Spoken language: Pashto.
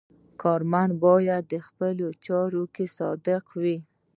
کارمند باید په خپلو چارو کې صادق وي.